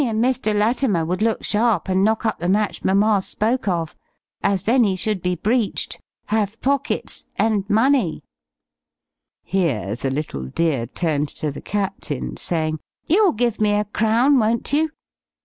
and Mr. Latimer would look sharp, and knock up the match Mamma spoke of; as then he should be breeched, have pockets, and money:" here the little dear turned to the Captain, saying, "You'll give me a crown, won't you?"